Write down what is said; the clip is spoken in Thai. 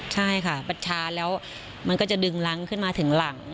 ใช่ค่ะปัชชาแล้วมันก็จะดึงล้างขึ้นมาถึงหลัง